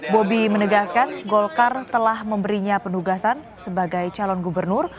bobi menegaskan golkar telah memberinya penugasan sebagai calon gubernur